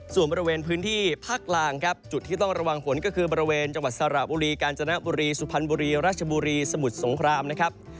ส่วนบริเวณพื้นที่ภาคกลางครับจุดที่ต้องระวังฝนก็คือบริเวณจังหวัดสระบุรีกาญจนบุรีสุพรรณบุรีราชบุรีสมุทรสงครามนะครับ